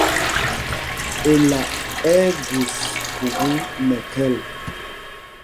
Ela ɛ́ ɛ́ gus khubú nɛ khɛl.